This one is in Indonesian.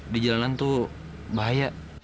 di jalanan tuh bahaya